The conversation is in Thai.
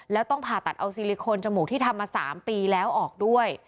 แล้วต้องผ่าตัดเอาซิลิโคนจมูกที่ทำมา๓ปีแล้วออกด้วย